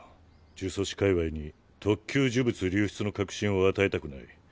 呪詛師界わいに特級呪物流出の確信を与えたくない。